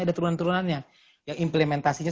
ada turunannya yang implementasinya